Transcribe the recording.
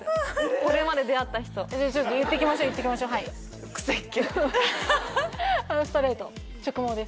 これまで出会った人ちょっと言っていきましょう言っていきましょうはい癖っ毛ストレート直毛です